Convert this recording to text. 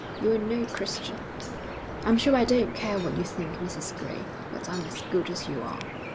You're no Christian.' 'I'm sure I don't care what you think, Mrs Gray, but I'm as good as you are.'